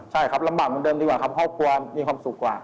ใช่ครับลำบากเหมือนเดิมดีกว่าครับครอบครัวมีความสุขกว่า